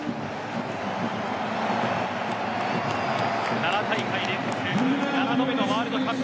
７大会連続、７度目のワールドカップ